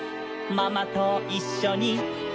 「パパといっしょに」